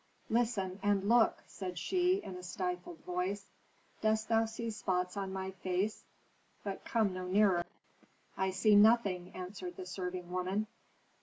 "Listen and look!" said she, in a stifled voice. "Dost thou see spots on my face? But come no nearer." "I see nothing," answered the serving woman.